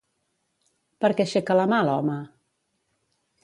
Per què aixeca la mà l'home?